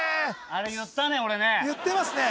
あれ言ったね